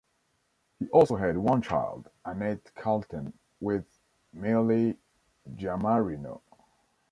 He also had one child, Annette Kalten, with Millie Giammarino.